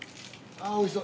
あー、おいしそう。